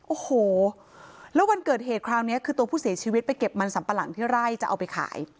โอ้โหแล้ววันเกิดเหตุคราวนี้คือตัวผู้เสียชีวิตไปเก็บมันสัมปะหลังที่ไร่จะเอาไปขาย